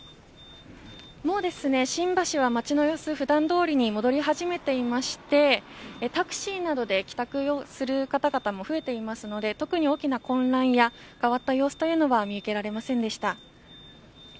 新橋は街の様子普段どおりに戻り始めていてタクシーなどで帰宅をする方々も増えていますので特に大きな混乱や変わった様子は見受けられませんでした。